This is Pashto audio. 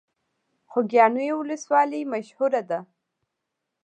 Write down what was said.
خوږیاڼیو ولسوالۍ مشهوره ده؟